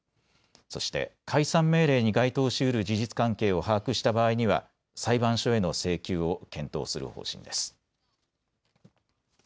そして解散命令に該当しうる事実関係を把握した場合には裁判所への請求を検討する方針です。